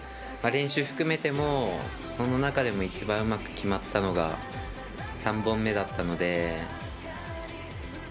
練習を含めてもその中でも一番うまく決まったのが３本目だったので。